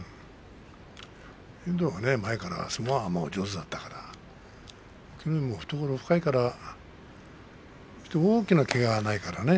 遠藤は前から相撲が上手だったか隠岐の海も懐が深いから大きなけががないからね。